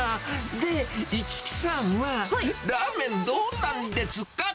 で、市來さんはラーメンどうなんですか？